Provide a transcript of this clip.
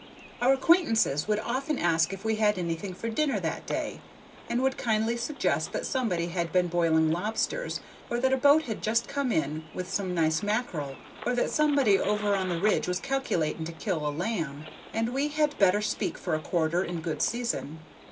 Our acquaintances would often ask if we had anything for dinner that day, and would kindly suggest that somebody had been boiling lobsters, or that a boat had just come in with some nice mackerel, or that somebody over on the Ridge was calculating to kill a lamb, and we had better speak for a quarter in good season.